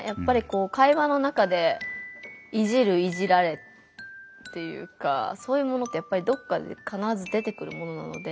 会話の中でいじる・いじられっていうかそういうものってやっぱりどっかで必ず出てくるものなので。